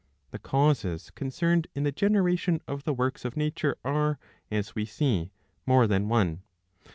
The causes concerned in the generation of the works of nature are, as we see, more than one.